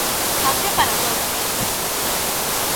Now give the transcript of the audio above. Patria para todos.